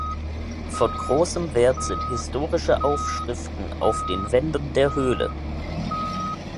Von großem Wert sind historische Aufschriften auf den Wänden der Höhle.